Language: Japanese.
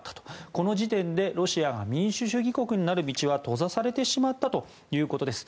この時点でロシアが民主主義国になる道は閉ざされてしまったということです。